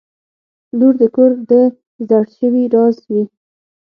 • لور د کور د زړسوي راز وي.